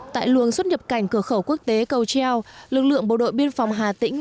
tại luồng xuất nhập cảnh cửa khẩu quốc tế cầu treo lực lượng bộ đội biên phòng hà tĩnh